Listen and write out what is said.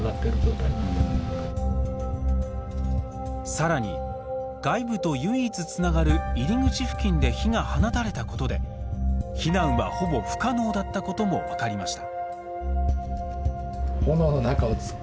さらに、外部と唯一つながる入り口付近で火が放たれたことで避難は、ほぼ不可能だったことも分かりました。